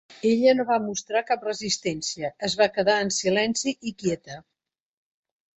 Ella no va mostrar cap resistència; es va quedar en silenci i quieta.